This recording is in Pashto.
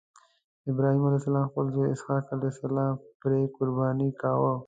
ابراهیم علیه السلام خپل زوی اسحق علیه السلام پرې قرباني کاوه.